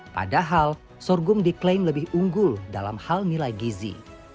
padahal sorghum diklaim lebih unggul dalam hal nilai gizi